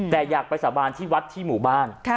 แต่อยากไปสาบานที่วัดที่หมู่บ้าน